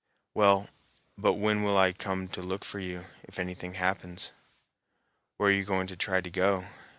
"Well, but when will I come to look for you, if anything happens? Where are you going to try to go?